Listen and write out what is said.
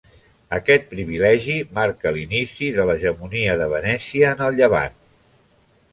Aquest privilegi marcà l'inici de l'hegemonia de Venècia en el llevant.